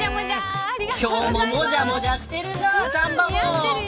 今日ももじゃもじゃしてるなちゃんバボ。